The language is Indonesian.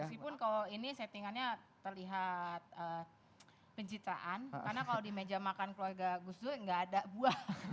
meskipun kalau ini settingannya terlihat penciptaan karena kalau di meja makan keluarga gus dur nggak ada buah